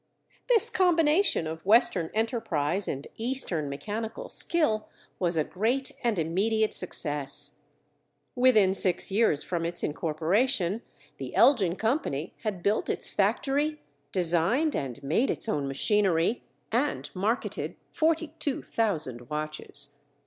This combination of Western enterprise and Eastern mechanical skill was a great and immediate success. Within six years from its incorporation, the Elgin Company had built its factory, designed and made its own machinery, and marketed forty two thousand watches.